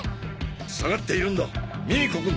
下がっているんだミミ子くん。